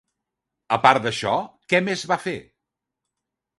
A part d'això, què més va fer?